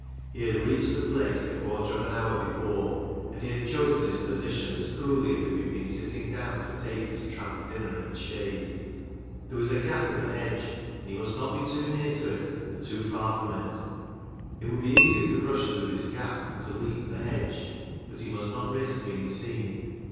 He had reached the place a quarter of an hour before, and he had chosen his position as coolly as if he had been sit ting down to take his tramp dinner in the shade. There was a gap in the hedge and he must not be too near to it or too far from it. It would be easier to rush through this gap than to leap the hedge ; but he must not risk being seen.